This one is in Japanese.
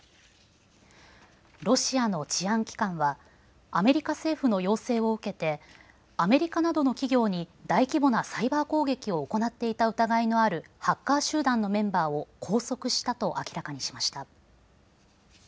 ロシアの治安機関はアメリカ政府の要請を受けてアメリカなどの企業に大規模なサイバー攻撃を行っていた疑いのあるハッカー集団のメンバーを拘束したと明らかにしました。